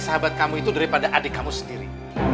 sahabat kamu itu daripada adik kamu sendiri